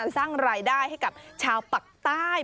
สร้างรายได้ให้กับชาวปักใต้